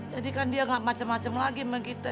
jadikan dia ga macem macem lagi mah kita